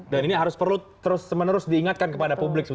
dan ini harus perlu terus menerus diingatkan kepada publik